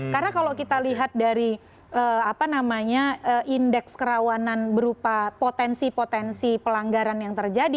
karena kalau kita lihat dari apa namanya indeks kerawanan berupa potensi potensi pelanggaran yang terjadi